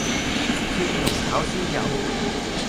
蒜蓉炒鮮魷